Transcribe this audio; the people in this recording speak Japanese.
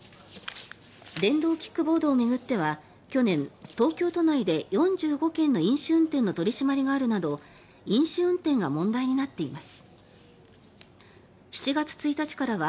電動キックボードを巡っては去年、東京都内で４５件の飲酒運転の取り締まりがあるなど飲酒運転が問題になっています。